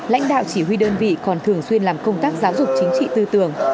lãnh đạo chỉ huy đơn vị còn thường xuyên làm công tác giáo dục chính trị tư tưởng